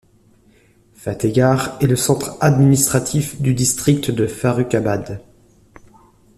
Fatehgarh est le centre administratif du district de Farrukhabad.